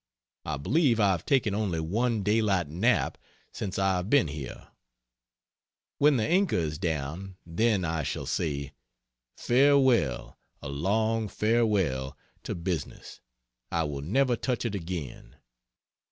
I believe I have taken only one daylight nap since I have been here. When the anchor is down, then I shall say: "Farewell a long farewell to business! I will never touch it again!"